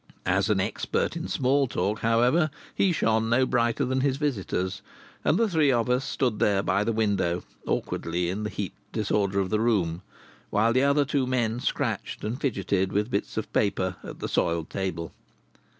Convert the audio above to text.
As an expert in small talk, however, he shone no brighter than his visitors, and the three of us stood there by the window awkwardly in the heaped disorder of the room, while the other two men scratched and fidgeted with bits of paper at the soiled table.